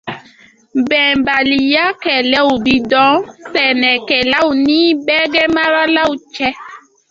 • Bɛnbaliyakɛlɛw bi don sɛnɛkɛlaw ni bɛgɛnmaralaw cɛ ;